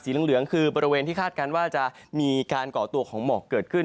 เหลืองคือบริเวณที่คาดการณ์ว่าจะมีการก่อตัวของหมอกเกิดขึ้น